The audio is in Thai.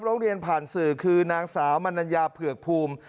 ร้องเรียนผ่านสื่อคือนางสาวมนัญญาเผือกภูมิ